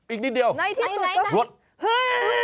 อีกนิดเดียวเฮ้ยนี่ปรบมือเย้